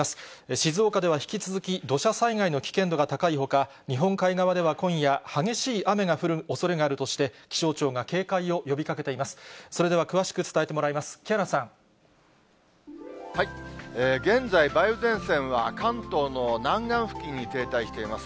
静岡では引き続き土砂災害の危険度が高いほか、日本海側では今夜、激しい雨が降るおそれがあるとして、気象庁が警戒を呼びかけています。